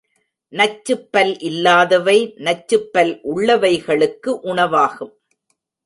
நச்சுப்பல் இல்லாதவை நச்சுப்பல் உள்ளவைகளுக்கு உணவாகும்.